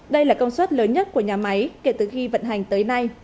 đây là công suất lớn nhất của nhà máy kể từ khi vận hành tới nay